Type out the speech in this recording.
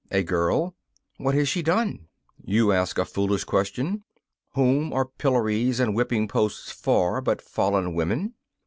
'A girl.' 'What has she done?' 'You ask a foolish question. Whom are pillories and whipping posts for but fallen women?